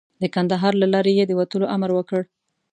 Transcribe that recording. د کندهار له لارې یې د وتلو امر وکړ.